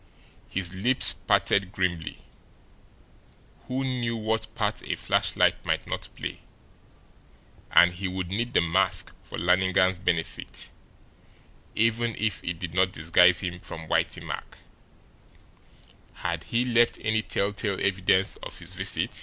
His lips parted grimly. Who knew what part a flashlight might not play and he would need the mask for Lannigan's benefit, even if it did not disguise him from Whitey Mack. Had he left any telltale evidence of his visit?